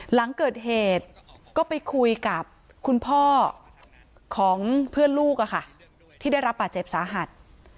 หลังเกิดเหตุก็ไปคุยกับคุณพ่อของเพื่อนลูกที่ได้รับบาดเจ็บสาหัส